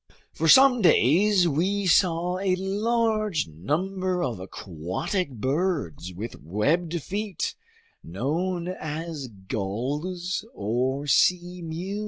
For some days we saw a large number of aquatic birds with webbed feet, known as gulls or sea mews.